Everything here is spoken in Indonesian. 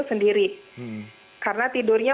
sendiri karena tidurnya